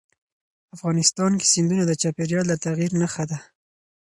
افغانستان کې سیندونه د چاپېریال د تغیر نښه ده.